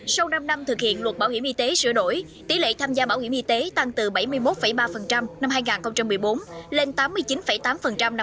sau năm năm thực hiện luật bảo hiểm y tế sửa đổi tỷ lệ tham gia bảo hiểm y tế tăng từ bảy mươi một ba năm hai nghìn một mươi bốn lên tám mươi chín tám năm hai nghìn một